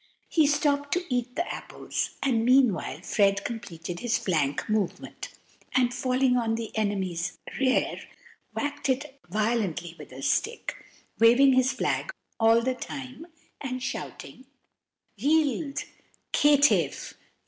He stopped to eat the apples, and meanwhile Fred completed his flank movement, and falling on the enemy's rear, whacked it violently with a stick, waving his flag all the time, and shouting, "Yield, caitiff!